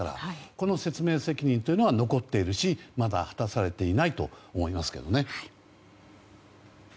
この説明責任というのは残っているしまだ果たされていないと思いますけどね。